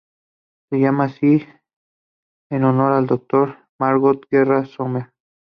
Se llama así en honor del Dr. "Margot Guerra Sommer".